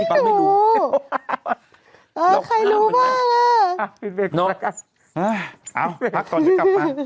เออใครรู้บ้าง